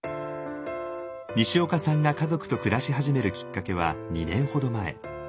にしおかさんが家族と暮らし始めるきっかけは２年ほど前。